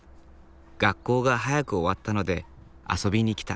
学校が早く終わったので遊びにきた。